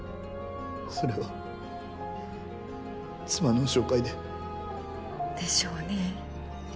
それは妻の紹介で。でしょうね。